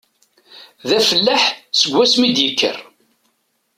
D afellaḥ seg wasmi i d-yekker.